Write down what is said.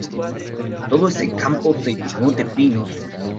Todo ese campo está lleno de pinos.